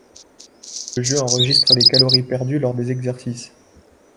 Le jeu enregistre les calories perdues lors des exercices.